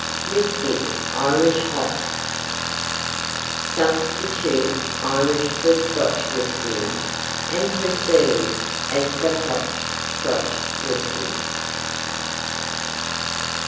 WHISKEY IRISH HOT Substitute Irish for Scotch Whiskey and proceed as for Hot Scotch Whiskey.